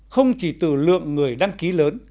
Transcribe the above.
không chỉ từ lượng người đăng ký lớn